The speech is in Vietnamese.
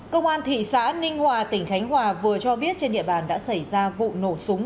công an thị xã ninh hòa tỉnh khánh hòa vừa cho biết trên địa bàn đã xảy ra vụ nổ súng